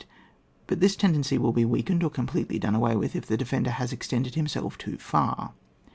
But this tendency will be weak ened or completely done away with if the defender has extended himself too far.